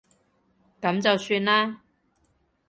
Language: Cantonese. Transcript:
噉就算啦